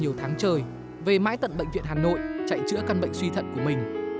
nhiều tháng trời về mãi tận bệnh viện hà nội chạy chữa căn bệnh suy thận của mình